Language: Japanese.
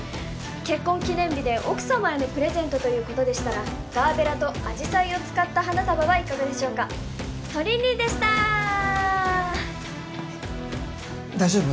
結婚記念日で奥様へのプレゼントということでしたらガーベラとアジサイを使った花束はいかがでしょうかトリンリンでした大丈夫？